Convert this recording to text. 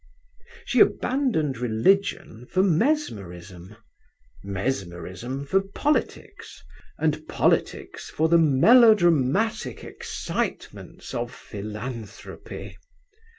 She abandoned religion for mesmerism, mesmerism for politics, and politics for the melodramatic excitements of philanthropy.